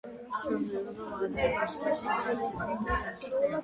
ხელშეკრულებამ აღადგინა თავისუფალი, სუვერენული და დემოკრატიული ავსტრია.